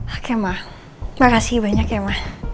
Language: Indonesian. oke ma makasih banyak ya ma